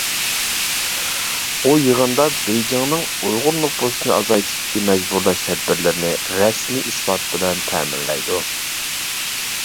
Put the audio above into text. ئۇ يىغىندا بېيجىڭنىڭ ئۇيغۇر نوپۇسىنى ئازايتىشتىكى مەجبۇرلاش تەدبىرلىرىنى رەسمىي ئىسپات بىلەن تەمىنلەيدۇ.